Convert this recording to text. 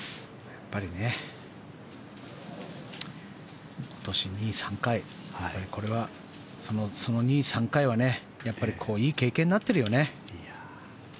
やっぱり、今年２位３回その２位３回はいい経験になってるよね。